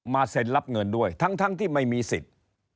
เซ็นรับเงินด้วยทั้งที่ไม่มีสิทธิ์